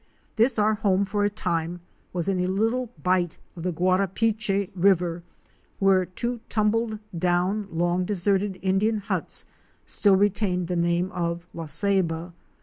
This, our home for a time, was in a little bight of the Guarapiche (War ah pee'chy) River, where two tumbled down, long deserted Indian huts still retained the name of La Ceiba.